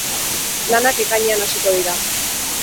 Lanak ekainean hasiko dira.